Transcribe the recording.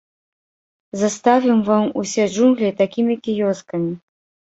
Заставім вам усе джунглі такімі кіёскамі.